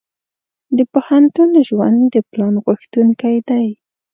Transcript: د پوهنتون ژوند د پلان غوښتونکی دی.